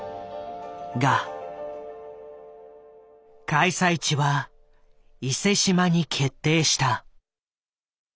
開催地は伊勢志摩に決定した。